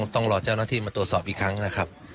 ต้องรอเจ้าหน้าที่มาตรวจสอบอีกครั้งนะครับ